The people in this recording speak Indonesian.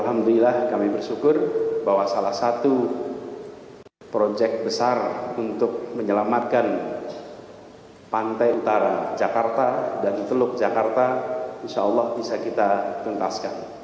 jadi alhamdulillah kami bersyukur bahwa salah satu projek besar untuk menyelamatkan pantai utara jakarta dan teluk jakarta insyaallah bisa kita kentaskan